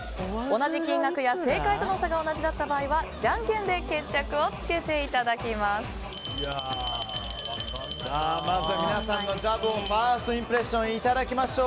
同じ金額や正解との差が同じだった場合はじゃんけんでまずは皆さんのファーストインプレッションいただきましょう。